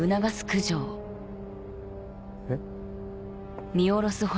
えっ？